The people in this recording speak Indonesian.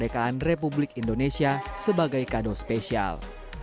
dan kemerdekaan republik indonesia sebagai kado spesial